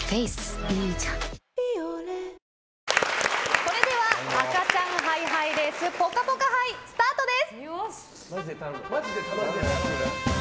それでは赤ちゃんハイハイレースぽかぽか杯スタートです。